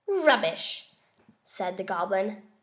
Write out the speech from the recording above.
"Rubbish!" said the Goblin.